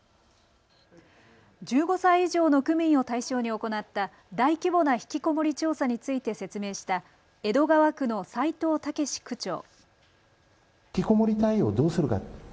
１５歳以上の区民を対象に行った大規模なひきこもり調査について説明した江戸川区の斉藤猛区長。